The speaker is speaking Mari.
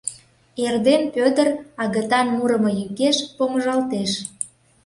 Эрден Пӧдыр агытан мурымо йӱкеш помыжалтеш.